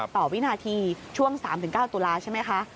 วินาทีช่วง๓๙ตุลาใช่ไหมคะ